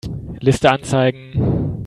Liste anzeigen.